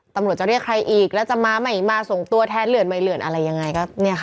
ตำรวจจะเรียกใครอีกแล้วจะมาใหม่มาส่งตัวแทนเหลือนใหม่เหลือนอะไรยังไง